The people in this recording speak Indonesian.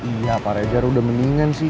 iya pak rejar udah mendingan sih